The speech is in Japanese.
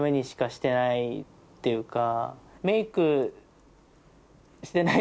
してないっていうか。